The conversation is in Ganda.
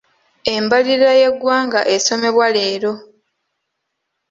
Embalirira y'eggwanga esomebwa leero.